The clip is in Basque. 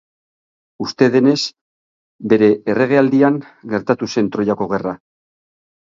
Uste denez, bere erregealdian gertatu zen Troiako Gerra.